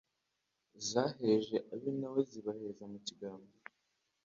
Zaheje ab' i NaweZibaheza mu kigarama